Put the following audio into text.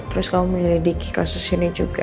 dan kamu menyelidiki kasus ini juga